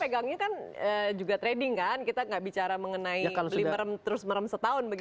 pegangnya kan juga trading kan kita nggak bicara mengenai beli merem terus merem setahun